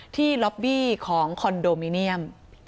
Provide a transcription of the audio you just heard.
ล็อบบี้ของคอนโดมิเนียม